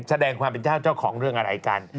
แสดงความเป็นเจ้าเจ้าของเรื่องอะไรกัน